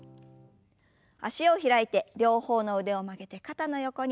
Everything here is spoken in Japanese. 脚を開いて両方の腕を曲げて肩の横に。